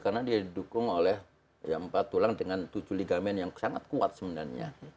karena dia didukung oleh empat tulang dengan tujuh ligamen yang sangat kuat sebenarnya